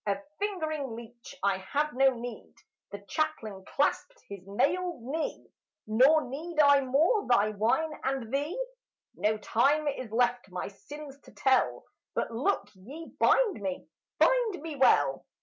Of fingering leech I have no need!" The chaplain clasped his mailed knee. "Nor need I more thy whine and thee! No time is left my sins to tell; But look ye bind me, bind me well!"